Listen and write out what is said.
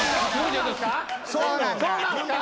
そうなんだ。